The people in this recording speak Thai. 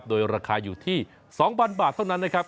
โดยราคาอยู่ที่๒๐๐บาทเท่านั้นนะครับ